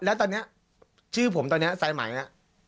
และตอนนี้ชื่อผมตอนนี้ไทเหมือนอย่างนี้